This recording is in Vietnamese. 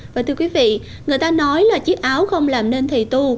và thưa quý vị người ta nói là chiếc áo không làm nên thầy tu